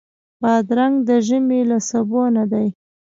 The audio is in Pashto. بادرنګ د ژمي له سبو نه دی.